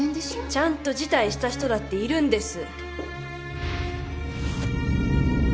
ちゃんと辞退した人だっているんです。